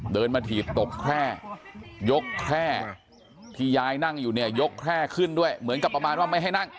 เดินมาถีบตกแคร่ยกแคร่ที่ยายนั่งอยู่เนี่ยยกแคร่ขึ้นด้วยเหมือนกับประมาณว่าไม่ให้นั่ง